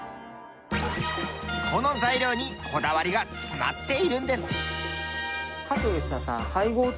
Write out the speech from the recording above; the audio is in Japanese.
この材料にこだわりが詰まっているんです。